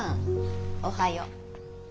おはよう。